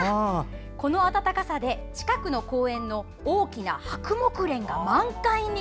この暖かさで近くの公園の大きなハクモクレンが満開に！